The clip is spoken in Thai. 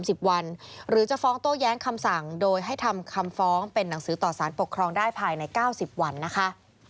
สิบวันหรือจะฟ้องโต้แย้งคำสั่งโดยให้ทำคำฟ้องเป็นหนังสือต่อสารปกครองได้ภายใน๙๐วันนะคะ